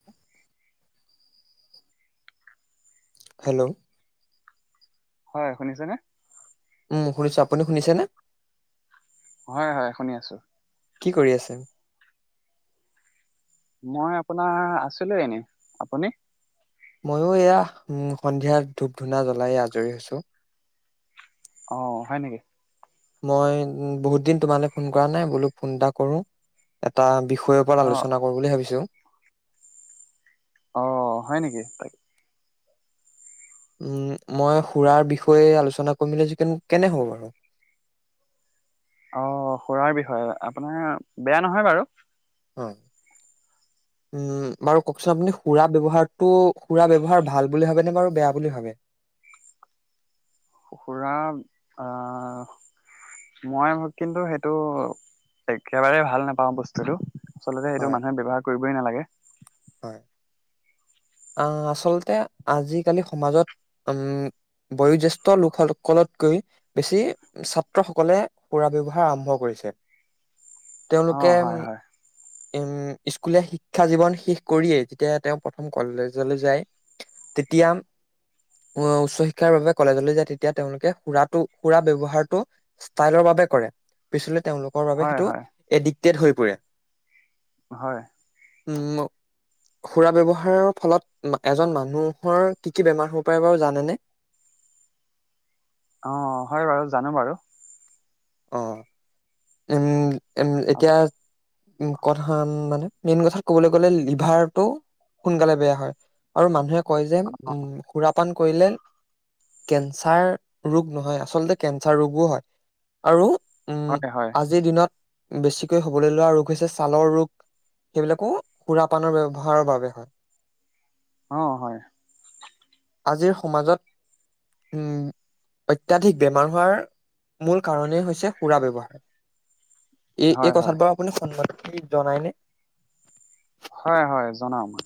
[inaudible] Hello? হয় শুনিছেনে? উম শুনিছো, আপুনি শুনিছেনে? হয়, হয়, শুনি আছো। কি কৰি আছে? মই আপোনাৰ আছিলো এনে, আপুনি? ময়ো এয়া উম সন্ধিয়া ধূপ-ধূনা জ্বলাই আজৰি হৈছো। অ, হয় নেকি? মই উম বহুত দিন তোমালৈ ফোন কৰা নাই বোলো ফোন এটা কৰো। এটা বিষয়ৰ অ ওপৰত আলোচনা কৰোঁ বুলি ভাবিছো। অ, হয় নেকি তা উম, মই সুৰাৰ বিষয়ে আলোচনা কৰিম বুলি ভাবিচো কেনে কেনে হ'ব বাৰু? অ সুৰাৰ বিষয়ে, আপোনাৰ বেয়া নহয় বাৰু। হ উম, বাৰু কওকচোন আপুনি সুৰা ব্যৱহাৰটো সুৰা ব্যৱহাৰ ভাল বুলি ভাবেনে নে বাৰু বেয়া বুলি ভাবে? সুৰা আ মই কিন্তু সেইটো একেবাৰে ভাল নাপাওঁ বস্তুটো। আচলতে সেইটো হয় মানুহে ব্যৱহাৰ কৰিবই নালাগে। হয়, আ আচলতে আজিকালি সমাজত উম বয়োজ্যেষ্ঠ লোকসকলতকৈ বেছি, ছাত্ৰসকলে সুৰা ব্যৱহাৰ আৰম্ভ কৰিছে। অ তেওঁলোকে উম, হয় হয় উম, স্কুলীয়ী শিক্ষা জীৱন শেষ কৰিয়ে, তেতিয়া তেওঁ প্ৰথম কলেজলৈ যায়, তেতিয়া উচ্চ শিক্ষাৰ বাবে কলেজলৈ যায়, তেতিয়া তেওঁলোকে সুৰাটো, সুৰা ব্যৱহাৰটো ষ্টাইলৰ বাবে কৰে, পিছলৈ তেওঁলোকৰ বাবে হয় সেইটো হয় এডিক্টেড হৈ পৰে। হয়। উম। সুৰা ব্যৱহাৰৰ ফলত, এজন মানুহৰ কি, কি বেমাৰ হ'ব পাৰে বাৰু জানেনে? অ', হয়, বাৰু জানো, বাৰু। অ', উম, উম, আপ- এতিয়া উম, কথা মানে, মেইন কথাত ক'বলৈ গ'লে লিভাৰটো সোনকালে বেয়া হয়। আৰু মানুহে কয় যে, অ, উম সুৰাপান কৰিলে কেঞ্চাৰ ৰোগ নহয়, আচলতে কেঞ্চাৰ ৰোগো হয়। আৰু, উম, হয় হয় আজিৰ দিনত বেছিকৈ হ'বলৈ লোৱা ৰোগ হৈছে ছালৰ ৰোগ। সেইবিলাকো সুৰা পানৰ ব্যৱহাৰৰ বাবে হয়। অ', হয়। আজিৰ সমাজত উম, অত্যাধিক বেমাৰ হোৱাৰ মূল কাৰণেই হৈছে সুৰা ব্যৱহাৰ, এই হয় এই হয় কথাত বাৰু আপুনি সন্মতি জনায় নে? হয়, হয়, জনাও মই।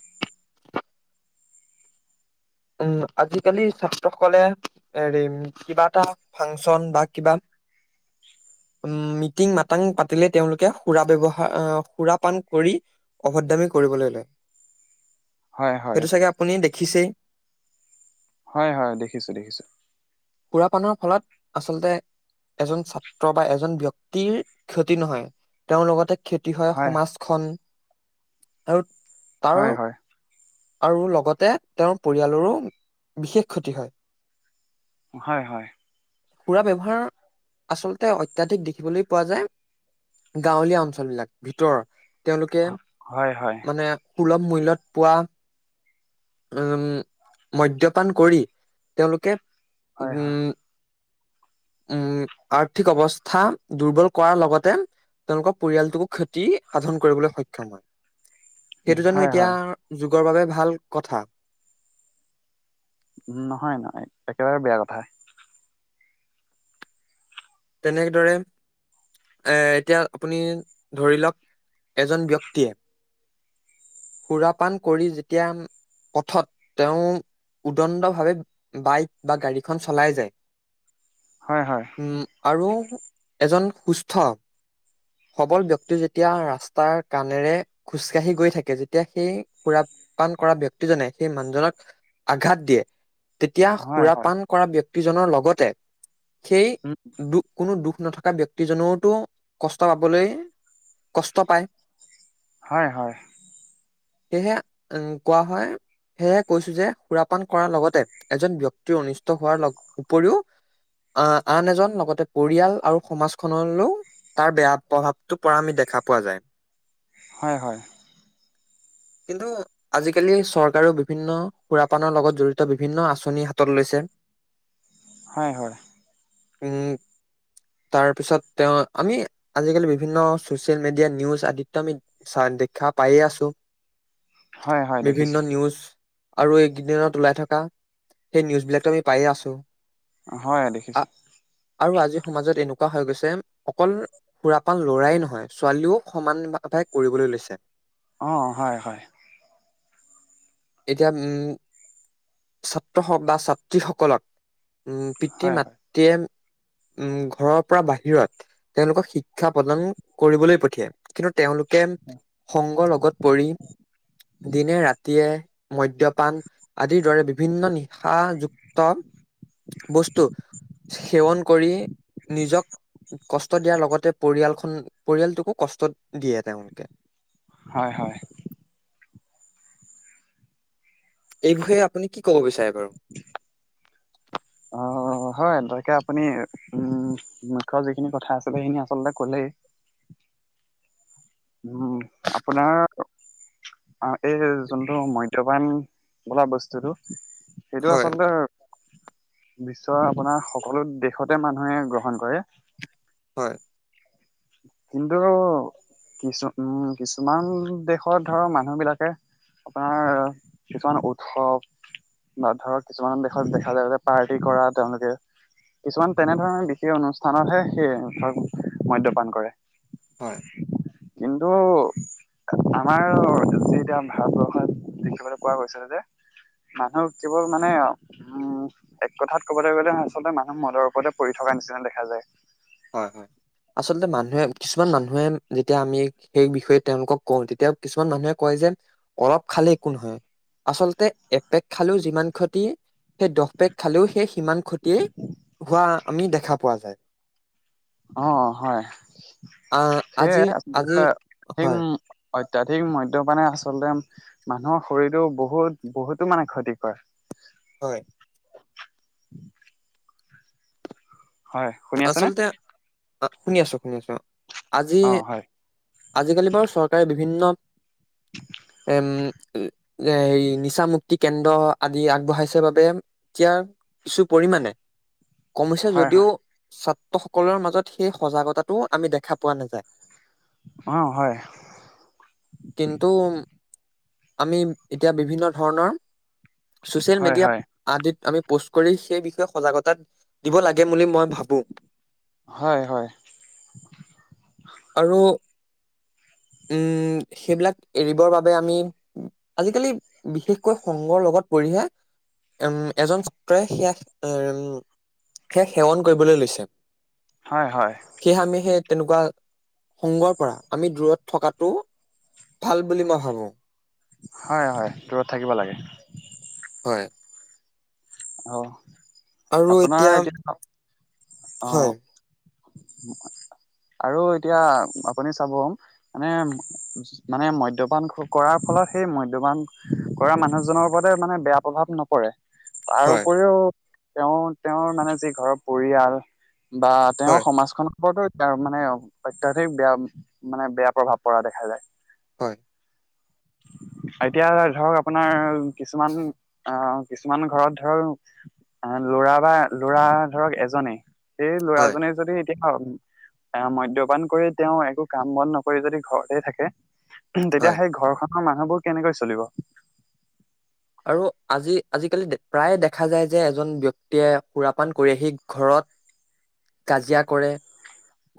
উম, আজিকালি ছাত্ৰ সকলে হেৰি, কিবা এটা ফাংচন বা কিবা মিটিং-মাতাং পাতিলে, তেওঁলোকে সুৰা ব্যৱহাৰ, সুৰাপান কৰি অভদ্ৰামী কৰিবলৈ লয়, হয় হয় সেইটো চাগে আপুনি দেখিছেই। হয়, হয়, দেখিছো, দেখিছো। সুৰাপানৰ ফলত আচলতে এজন ছাত্ৰ বা এজন ব্যক্তিৰ ক্ষতি নহয়, তেওঁৰ লগতে ক্ষতি হয় সমাজখন, আৰু তাৰ হয় হয় আৰু লগতে, তেওঁৰ পৰিয়ালৰো বিশেষ ক্ষতি হয়। হয়, হয়। সুৰা ব্যৱহাৰ, আচলতে অত্যাধিক দেখিবলৈ পোৱা যায় গাঁৱলীয়া অঞ্চল বিলাক, ভিতৰৰ। তেওঁলোকে হয় হয় মানে, সুলভ মূল্যত পোৱা, উম। মদ্যপান কৰি, তেওঁলোকে হয় হয় উম। উম, আৰ্থিক অৱস্থা দুৰ্বল কৰাৰ লগতে তেওঁলোকৰ পৰিয়ালটোকো ক্ষতি সাধন কৰিবলৈ সক্ষম হয়। উম সেইটো জানো, হয় এতিয়া হয় যুগৰ বাবে ভাল কথা। উম, নহয়, নহয় একেবাৰে বেয়া কথা। তেনেদৰে এ এতিয়া আপুনি ধৰি লওক, এজন ব্যক্তিয়ে সুৰাপান কৰি যেতিয়া পথত, তেওঁ উদণ্ড ভাৱে বাইক বা গাড়ীখন চলাই যায়। [inaudible] হয়, হয়। উম, আৰু এজন সুস্থ সবল ব্যক্তি যেতিয়া, ৰাস্তাৰ কাণেৰে খোজকাাঢ়ি গৈ থাকে যেতিয়া সেই সুৰাপান কৰা ব্যক্তিজনে সেই মানুহজনক আঘাত দিয়ে তেতিয়া হয় হয় সুৰাপান কৰা ব্যক্তিজনৰ লগতে সেই উম দুক কোনো দুখ নথকা ব্যক্তিজনেওতো কষ্ট পাবলৈ কষ্ট পায় হয় হয় সেয়েহে উ কোৱা হয় সেয়ে কৈছো যে সুৰাপান কৰাৰ লগতে এজন ব্যয়ক্তিৰ অনিষ্ট হোৱাৰ লগ উপৰিও অ আন এজন ন লগতে পৰিয়াল আৰু সমাজখনলৈও তাৰ বেয়া প্ৰভাৱতো পৰা আমি দেখা পোৱা যায় [inaudible] হয় হয় কিন্তু আজিকালি চৰকাৰেও বিভিন্ন সুৰাপানৰ লগত জড়িত বিভিন্ন আঁচনি হাতত লৈছে [inaudible] হয় হয় উ তাৰ পিছত তেওঁ আমি আজিকালি বিভিন্ন চচিয়েল মিডিয়া নিউজ আদিত আমি চ দেখা পায়ে আছো হয় হয় বিভিন্ন দেখিছো নিউজ আৰু এইকেইদিনত ওলাই থকা সেই নিউজ বিলাকতো আমি পায়ে আছো অ হয় আ দেখিছো আৰু আজিৰ সমাজত এনেকোৱা হৈ গৈছে অকল সুৰাপান লৰাই নহয় ছোৱালীও সমানভাৱে কৰিবলৈ লৈছে অ হয় হয় [inaudible] এতিয়া উম ছাত্ৰ হক বা ছাত্ৰীসকলক উম পিতৃ হয় হয় মাতৃয়ে উম ঘৰৰ পৰা বাহিৰত তেওঁলোকক শিক্ষা প্ৰদান কৰিবলৈ পঠিয়ায় কিন্তু তেওঁলোকে সংগৰ লগত পৰি দিনে ৰাতিয়ে মদ্যপান আদিৰ দৰে বিভিন্ন নিচাযুক্ত বস্তু সেৱন কৰি নিজক কষ্ট দিয়াৰ লগতে পৰিয়ালখন পৰিয়ালটোকো কষ্ট দিয়ে তেওঁলোকে হয় হয় এই বিষয়ে আপুনি কি ক'ব বিচাৰে বাৰু [unintelligible] অ', হয় তাকে আপুনি উম, মুখ্য যিখিনি কথা আছিলে সেইখিনি আচলতে ক'লেই। উম, আপোনাৰ অ এই যোনটো মদ্যপাণ বোলা বস্তুটো সেইটো হয় আচলতে বিশ্বৰ আপোনাৰ সকলো দেশতে মানুহে গ্ৰহণ কৰে। হয়। কিন্তু কিছু উম কিছুমান দেশত ধৰ মানুহ বিলাকে আপোনাৰ কিছুমান উৎসৱ বা ধৰক কিছুমান দেশত দেখা যায় যে পাৰ্টি কৰা তেওঁলোকে কিছুমান তেনেধৰণৰ বিশেষ অনুষ্ঠানতহে সেই ধৰ মদ্যপান কৰে। হয়। কিন্তু আমাৰ যি এতিয়া ভাৰতবৰ্ষত দেখিবলৈ পোৱা গৈছে। মানুহ কেবল মানে উম', এক কথাত ক'বলৈ গ'লে আচলতে মানুহ মদৰ ওপৰতে পৰি থকা নিচিনা দেখা যায়। হয়-, হয়, আচলতে মানুহে কিছুমান মানুহে যেতিয়া আমি সেই বিষয়ে তেওঁলোকক কওঁ তেতিয়া কিছুমান মানুহে কয় যে- অলপ খালে একো নহয়। আচলতে একপেক খালেও যিমান ক্ষতি সেই দহ পেক খালেও সেই সিমান ক্ষতিয়ে হয়। হোৱা আমি দেখা পোৱা যায়। অ', হয়, আহ আজি আজি সেয়াই হয় [unintelligible] অত্যাধিক মদ্যপানে আচলতে মানুহৰ শৰীৰটো বহুত- বহুতো মানে ক্ষতি কৰে। হয়। হয়। শুনি আছেনে? আচলতে অ', শুনি- আছো শুনি আছো আজি অ হয় আজিকালি বাৰু চৰকাৰে বিভিন্ন উম, এ নিচা মুক্তি কেন্দ্ৰ আদি আগবঢ়াইছে বাবে এতিয়া কিছু পৰিাণে কমিছে হয় যদিও হয় ছাত্ৰ সকলৰ মাজত সেই সজাগতাটো আমি দেখা পোৱা নাযায়। অ', হয়। কিন্তু আমি এতিয়া বিভিন্ন ধৰণৰ ছচিয়েল হয় মিডিয়া হয়। আদিত আমি পোষ্ট কৰি সেই বিষয়ে সজাগতা দিব লাগে বুলি মই ভাবো। হয়, হয়। আৰু উম, সেইবিলাক এৰিবৰ বাবে আমি। আজিকালি বিশেষকৈ সংগৰ লগত পৰিহে। উম, এজন ছাত্ৰই সেয়া- সেয়া সেৱন কৰিবলৈ লৈছে। [inaudible] হয়, - হয়। সেয়েহে আমি সেই তেনেকুৱা সংগৰ পৰা আমি দূৰত থকাটো ভাল বুলি মই ভাবো। হয়, হয়, দূৰত থাকিব লাগে। হয়। অ', আপোনাৰ এতিয়া অ' হয় আৰু এতিয়া আপুনি চাব মানে মানে মদ্যপান কৰাৰ ফলত সেই মদ্যপান কৰা মানুহজনৰ ওপৰতে মানে বেয়া প্ৰভাৱ নপৰে। তাৰ হয় উপৰিও তেওঁ তেওঁৰ মানে যি ঘৰৰ পৰিয়াল বা তেওঁৰ হয়, সমাজখন। [unintelligible] অত্যাধিক বেয়া মানে বেয়া প্ৰভাৱ পৰা দেখা যায়। হয়। এতিয়া ধৰক আপোনাৰ কিছুমান অ', কিছুমান। ঘৰত ধৰক ল'ৰা বা লৰা ধৰক এজনে সেই হয়, ল'ৰাজনে যদি মদ্যপান কৰি তেওঁ একো কাম বন নকৰি যদি ঘৰতে থাকে। তেতিয়া হয় সেই ঘৰখনৰ মানুহবোৰ কেনেকৈ চলিব আৰু আজি আজিকালি প্ৰায়ে দেখা যায় যে- এজন ব্যক্তিয়ে সুৰাপান কৰি আহি ঘৰত। কাজিয়া কৰে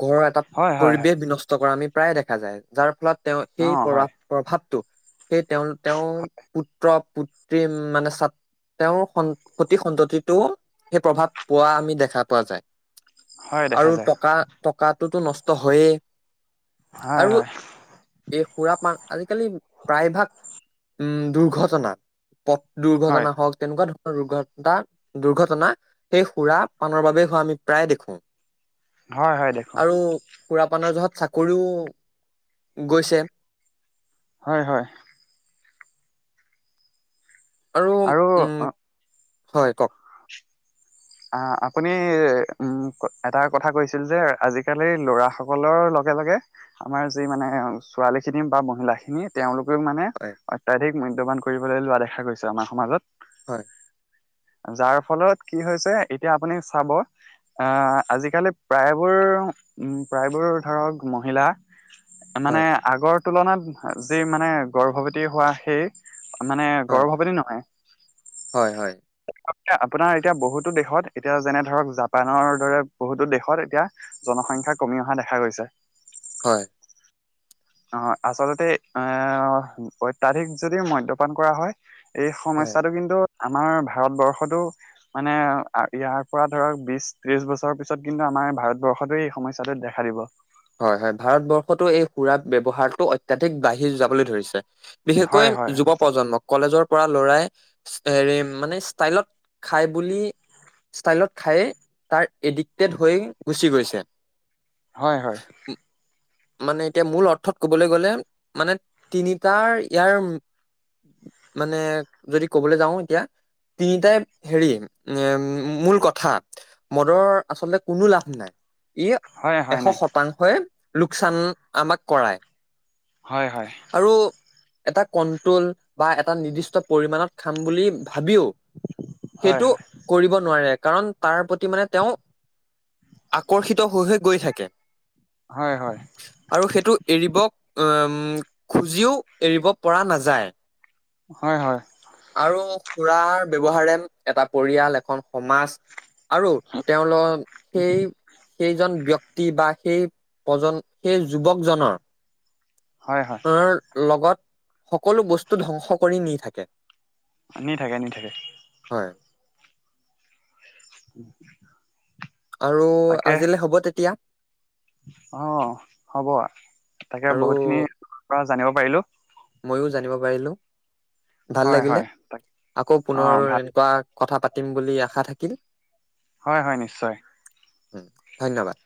ঘৰৰ এটা হয় হয় হয় পৰিৱেশ বিনষ্ট কৰা আমি প্ৰায়ে দেখা যায় যাৰ ফলত তেওঁ সেই অ হয় প্ৰভাৱ প্ৰভাৱটো সেই তেওঁ তেওঁৰ পুত্ৰ-পুত্ৰী মানে চা তেওঁৰ স সতি সন্ততিটো সেই প্ৰভাৱ পোৱা আমি দেখা পোৱা যায়। হয় দেখা আৰু যায় টকা টকাটোতো নষ্ট হয়য়ে। হয় আৰু হয় এই সুৰা পান আজিকালি প্ৰায়ভাগ উম দুৰ্ঘটনাত পথ হয় দুৰ্ঘটনা হওঁক তেনেকুৱা ধৰ দুৰ্ঘটনা দুৰ্ঘটনা সেই সুৰা পানৰ বাবে হোৱা আমি প্ৰায় দেখো। হয় হয় দেখো আৰু সুৰাপানৰ জহত চাকৰিও গৈছে। হয় হয় আৰু অ হয় কওঁক অ আপুনি উম এটা কথা কৈছিল যে আজিকালি ল'ৰা সকলৰ লগে লগে আমাৰ যি মানে ছোৱালী খিনি বা মহিলা খিনিত তেওঁলোকেও মানে হয়, অত্যাধিক মূল্যবান কৰিবলৈ লোৱা দেখা গৈছে আমাৰ সমাজত হয় যাৰ ফলত কি হৈছে এতিয়া আপুনি চাব অ আজিকালি প্ৰায়বোৰ প্ৰায়বোৰ ধৰক মহিলা মানে হয়, আগৰ তুলনাত যি মানে গৰ্ভৱতী হোৱা সেই মানে হয়, গৰ্ভৱতী নহয় হয় হয় আপোনাৰ এতিয়া বহুত টো দেশত এতিয়া যেনে ধৰক জাপানৰ দৰে বহুতো দেশৰ এতিয়া জনসংখ্যা কমি অহা দেখা গৈছে। হয় অ আচলতে এ অত্যাধিক যদি মদ্যপান কৰা হয় এই হয়। সমস্যাটো কিন্তু আমাৰ ভাৰতবৰ্ষতো মানে ইয়াৰ পৰা ধৰক বিশ, ত্ৰিশ বছৰৰ পিছত কিন্তু আমাৰ ভাৰতবৰ্ষটো এই সমস্যাটো দেখা দিব হয় হয় ভাৰতবৰ্ষতো এই সুৰা ব্যৱহাৰটো অত্যাধিক বাঢ়ি যাবলৈ ধৰিছে হয় বিশেষকৈ হয় যুৱ প্ৰজন্মক। কলেজৰ পৰা ল'ৰাই হেৰী মানে ষ্টাইলত খাই বুলি ষ্টাইলত খায়ে তাৰ এডিক্টেড হৈ গুচি গৈছে হয় হয় [unintelligible] মানে এতিয়া মূল অৰ্থত কবলৈ গ'লে মানে তিনিটাৰ ইয়াৰ মানে যদি ক'বলৈ যাও এতিয়া তিনিটাই হেৰি মূল কথা। মদৰ আচলতে কোনো লাভ নাই ইয়ে হয় হয় এশ নাই শতাংশই লোকচান আমাক কৰায় হয় হয় আৰু এটা কণ্ট্ৰল বা এটা নিৰ্দিষ্ট পৰিমাণত খাম বুলি ভাবিও হয় সেইটো হয় কৰিব নোৱাৰে কাৰণ তাৰ প্ৰতি মানে তেওঁ আকৰ্ষিত হৈ হৈ গৈ থাক কে হয় হয়। আৰু সেইটো এৰিব উ, খুজিও এৰিব পৰা নাযায়। হয় হয়। আৰু খুৰাৰ ব্যৱহাৰে এটা পৰিয়াল, এখন সমাজ আৰু তেওঁলোক সেই, সেইজন ব্যক তি বা সেই প্ৰজন সেই যুৱকজনৰ হয় হয় [unintelligible] লগত সকলো বস্তু ধ্বংস কৰি নি থাকে। নি থাকে, নি থাকে। হয়। [inaudible] আৰু তাকে আজিলে হ'ব তেতিয়া। অ' হ'ব তাকে আৰু বহুতখিনি পৰা জানিব পাৰিলোঁ। ময়ও জানিব পাৰিলোঁ, ভাল হয় লাগিলে হয় তাক আকৌ অ পুনৰ ভাল এনেকুৱা কথা পাতিম বুলি আশা থাকিল। হয় হয়, নিশ্চয়। ধন্যবাদ।